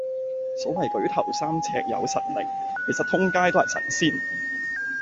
所謂舉頭三尺有神靈，其實通街都係神仙